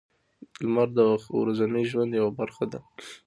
• لمر د ورځني ژوند یوه برخه ده.